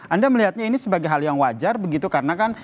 anda melihatnya ini sebagai hal yang wajar begitu karena kan